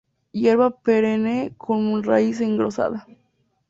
Hierba perenne con raíz engrosada.